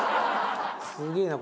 すげえな。